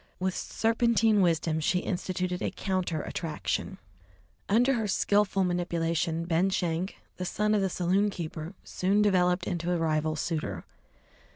With serpentine wisdom she instituted a counter attraction. Under her skilful manipulation, Ben Schenk, the son of the saloon keeper, soon developed into a rival suitor.